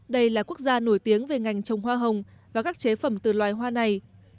đây là quốc gia nổi tiếng về ngành trồng hoa hồng và các chế phẩm từ loài hoa này